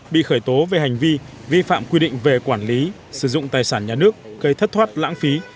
bị khởi tố về hành vi vi phạm quy định về quản lý sử dụng tài sản nhà nước gây thất thoát lãng phí